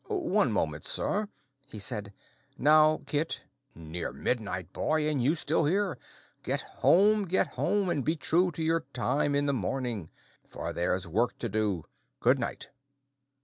"One moment, sir," he said.—"Now, Kit—near midnight, boy, and you still here! Get home, get home, and be true to your time in the morning, for there's work to do. Good night!